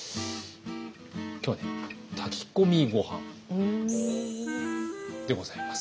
今日はね炊き込みご飯でございます。